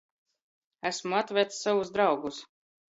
Asmu atveds sovus draugus.